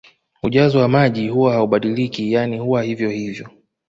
Ujazo wa maji huwa haubadiliki yani huwa hivyo hivyo